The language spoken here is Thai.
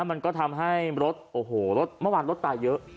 มันก็ทำให้รถโอ้โหรถเมื่อวานรถตายเยอะ